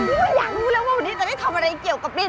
อยากรู้แล้วว่าวันนี้จะได้ทำอะไรเกี่ยวกับปิ้ง